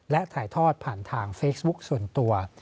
และถ่ายทอดผ่านทางเฟซบุ๊คส่วนตัว